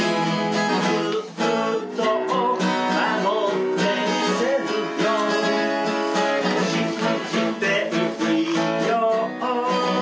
「ずっと守ってみせるよ信じていいよ」